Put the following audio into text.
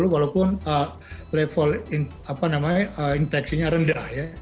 walaupun level infeksinya rendah